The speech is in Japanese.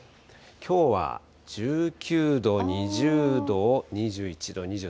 きょうは１９度、２０度、２１度、２３度。